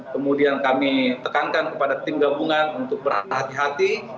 kemudian kami tekankan kepada tim gabungan untuk berhati hati